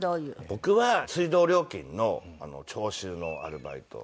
僕は水道料金の徴収のアルバイト。